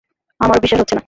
আমারও বিশ্বাস হচ্ছে না।